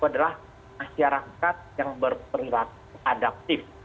adalah masyarakat yang berperilaku adaptif